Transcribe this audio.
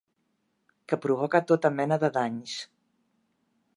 Que provoca tota mena de danys.